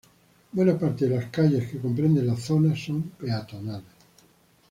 Buena parte de las calles que comprenden La Zona son peatonales.